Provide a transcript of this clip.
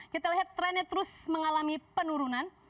kita lihat trennya terus mengalami penurunan